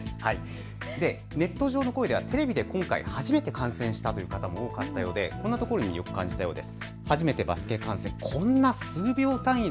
ネット上の声では今回テレビで初めて観戦したという声も多くてこんなところに魅力を感じたそうです。